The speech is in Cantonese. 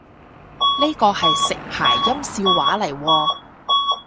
呢個係食諧音笑話嚟喎？